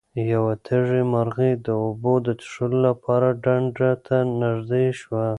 یوه تږې مرغۍ د اوبو د څښلو لپاره ډنډ ته نږدې شوه.